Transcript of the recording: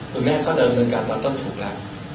คุณแม่เขาเดินเงินการตอนต้นถูกแล้ว